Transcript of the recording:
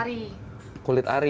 itu namanya kulit ari